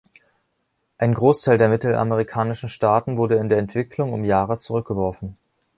Ein Großteil der mittelamerikanischen Staaten wurde in der Entwicklung um Jahre zurückgeworfen.